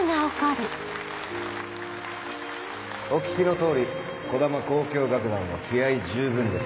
お聞きの通り児玉交響楽団は気合十分です。